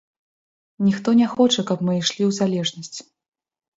Ніхто не хоча, каб мы ішлі ў залежнасць.